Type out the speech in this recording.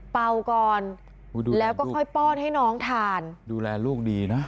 เป่าก่อนแล้วก็พ่อให้น้องทาน